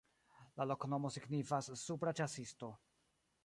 La loknomo signifas: supra-ĉasisto.